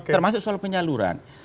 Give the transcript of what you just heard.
termasuk soal penyaluran